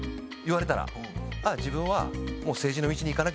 自分は。